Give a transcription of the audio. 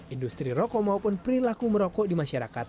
industri rokok maupun perilaku merokok di masyarakat